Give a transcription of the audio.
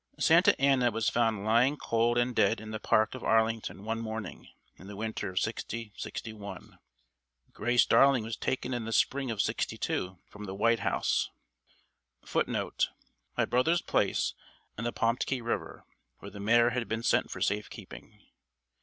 Santa Anna was found lying cold and dead in the park of Arlington one morning in the winter of '60 '61. Grace Darling was taken in the spring of '62 from the White House [Footnote: My brother's place on the Pamtmkey River, where the mare had been sent for safe keeping.